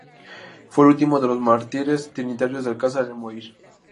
Fue el último de los mártires trinitarios de Alcázar en morir.